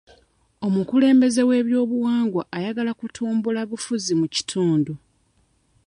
Omukulembeze w'ebyobuwangwa ayagala kutumbula bufuzi mu kitundu.